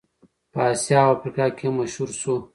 په اسیا او افریقا کې هم مشهور شو.